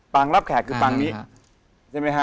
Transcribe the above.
รับแขกคือปางนี้ใช่ไหมฮะ